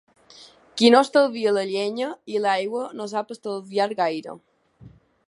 Qui no estalvia la llenya i l'aigua no sap estalviar gaire.